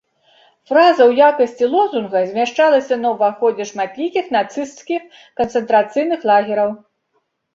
Фраза ў якасці лозунга змяшчалася на ўваходзе шматлікіх нацысцкіх канцэнтрацыйных лагераў.